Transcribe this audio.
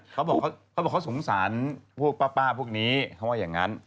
เขาบอกเขาสงสารพวกป้าป้าพวกนี้เขาบอกอย่างนั้น